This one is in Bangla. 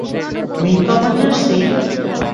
Wing commander Singh!